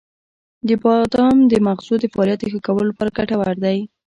• بادام د مغزو د فعالیت ښه کولو لپاره ګټور دی.